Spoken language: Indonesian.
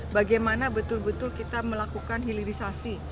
bagaimana betul betul kita melakukan hilirisasi